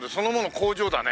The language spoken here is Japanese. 工場だね。